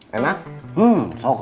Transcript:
terima kasih kang